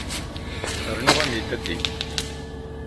Rnu amidadi.